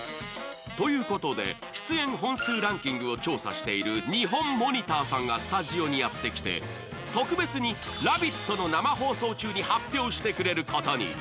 ということで出演本数ランキングを調査しているニホンモニターさんがスタジオにやってきて特別に「ラヴィット！」の生放送中に発表してくれることに。